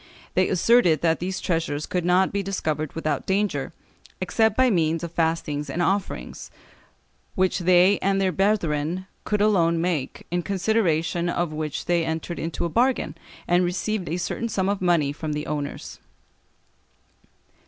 They asserted that these treasures could not be discovered without danger, except by means of fastings and offerings, which they and their brethren could alone make, in consideration of which they entered into a bargain, and received a certain sum of money from the owners.